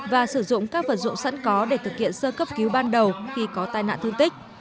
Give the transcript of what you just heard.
và sử dụng các vật dụng sẵn có để thực hiện sơ cấp cứu ban đầu khi có tai nạn thương tích